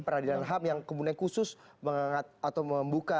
pengadilan ham yang khusus membuka